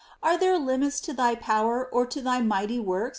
Are there limits to Thy power, or to Thy mighty works